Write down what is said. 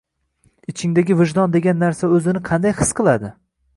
ichingdagi «vijdon» degan narsa o‘zini qanday his qiladi?